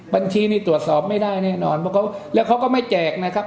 บัญชีนี่ตรวจสอบไม่ได้แน่นอนเพราะเขาแล้วเขาก็ไม่แจกนะครับ